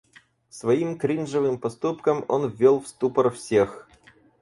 Своим кринжовым поступком он ввёл в ступор всех.